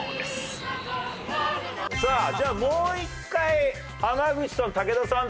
さあじゃあもう１回濱口さん・武田さん